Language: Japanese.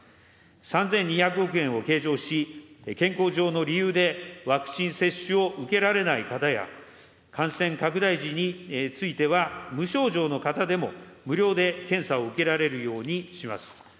３２００億円を計上し、健康上の理由でワクチン接種を受けられない方や、感染拡大時については、無症状の方でも無料で検査を受けられるようにします。